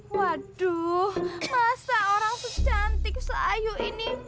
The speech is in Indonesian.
waduh masa orang secantik selayu ini